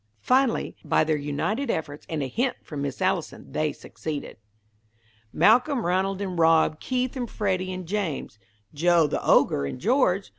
Finally, by their united efforts and a hint from Miss Allison, they succeeded. "Malcolm, Ranald, and Rob, Keith and Freddy, and James, Joe the Ogre, and George.